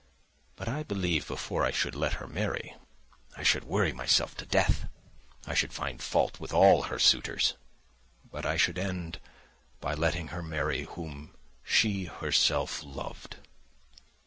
But I believe before I should let her marry, I should worry myself to death; I should find fault with all her suitors. But I should end by letting her marry whom she herself loved.